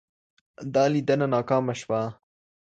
دا لیدنه ناکامه شوه.